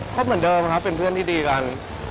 เหมือนเดิมครับเป็นเพื่อนที่ดีกัน